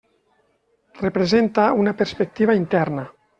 Representa una perspectiva interna.